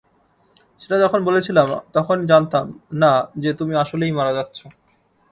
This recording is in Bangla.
সেটা যখন বলেছিলাম, তখন জানতাম না যে তুমি আসলেই মারা যাচ্ছ।